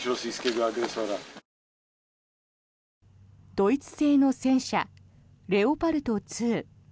ドイツ製の戦車レオパルト２。